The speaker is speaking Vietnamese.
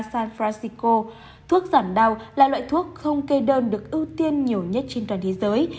san francisco thuốc giảm đau là loại thuốc không kê đơn được ưu tiên nhiều nhất trên toàn thế giới